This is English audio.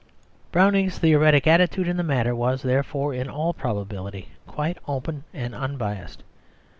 Browning's theoretic attitude in the matter was, therefore, in all probability quite open and unbiassed.